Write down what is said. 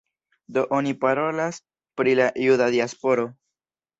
Do oni parolas pri la juda diasporo.